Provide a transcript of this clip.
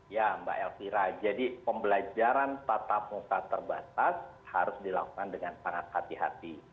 ya mbak elvira jadi pembelajaran tatap muka terbatas harus dilakukan dengan sangat hati hati